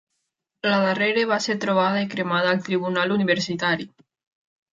La darrera va ser trobada i cremada al tribunal universitari.